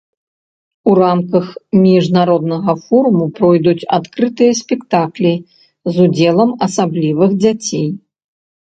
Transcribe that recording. У рамках міжнароднага форуму пройдуць адкрытыя спектаклі з удзелам асаблівых дзяцей.